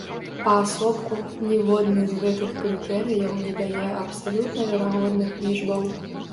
Паасобку, ніводны з гэтых крытэрыяў не дае абсалютна верагодных лічбаў.